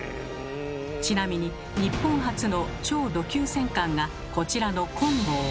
ちなみに日本初の超弩級戦艦がこちらの「金剛」。